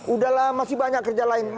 udah lah masih banyak kerja lain